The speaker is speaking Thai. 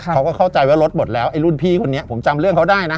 เขาก็เข้าใจว่ารถหมดแล้วไอ้รุ่นพี่คนนี้ผมจำเรื่องเขาได้นะ